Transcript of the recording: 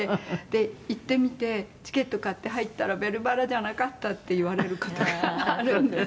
「で行ってみてチケット買って入ったら『ベルばら』じゃなかったって言われる事があるんです」